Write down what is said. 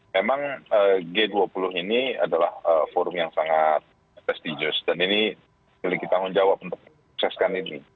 memang g dua puluh ini adalah forum yang sangat restious dan ini memiliki tanggung jawab untuk sukseskan ini